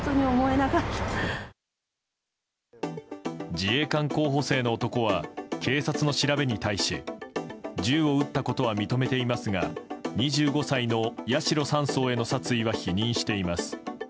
自衛官候補生の男は警察の調べに対し銃を撃ったことは認めていますが２５歳の八代３曹への殺意は否認しています。